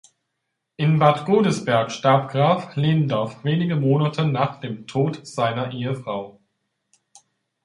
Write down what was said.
In Bad Godesberg starb Graf Lehndorff wenige Monate nach dem Tode seiner Ehefrau.